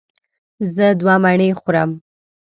زه دوه مڼې خورم.